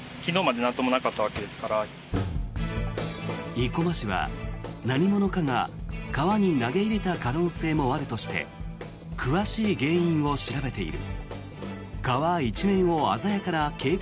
生駒市は何者かが川に投げ入れた可能性もあるとして詳しい原因を調べている。